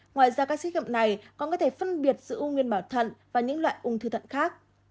ngoài ra các xét nghiệm này còn có thể phân biệt giữa u nguyên bảo thận và những loại ung thư thận khác